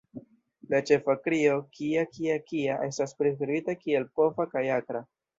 La ĉefa krio "kja...kja...kja" estas priskribita kiel pova kaj akra.